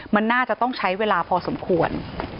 มันน่าจะต้องใช้เวลาพอสมควร